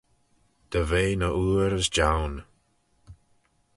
Dy ve ny ooir as joan.